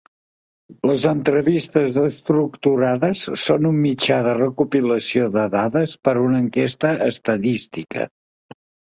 Les entrevistes estructurades són un mitjà de recopilació de dades per a una enquesta estadística.